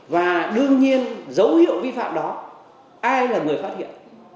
và đương nhiên dấu hiệu vi phạm đó ai là người phát hiện